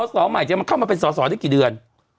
สอใหม่จะมาเข้ามาเป็นสอสอได้กี่เดือน